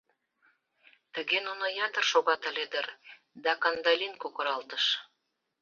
Тыге нуно ятыр шогат ыле дыр, да Кандалин кокыралтыш: